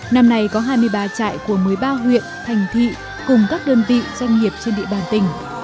năm nay có hai mươi ba trại của một mươi ba huyện thành thị cùng các đơn vị doanh nghiệp trên địa bàn tỉnh